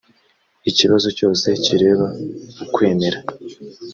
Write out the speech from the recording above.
ikibazo cyose kireba ukwemera